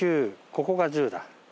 ここが１０だ。